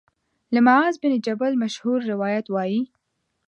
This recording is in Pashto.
له معاذ بن جبل مشهور روایت وايي